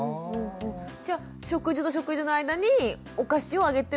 じゃあ食事と食事の間にお菓子をあげても大丈夫？